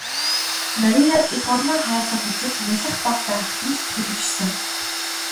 Марияд эх орноо хайрлах үзэл нялх бага байхад нь л төлөвшсөн.